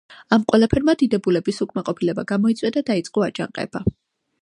ამ ყველაფერმა დიდებულების უკმაყოფილება გამოიწვია და დაიწყო აჯანყება.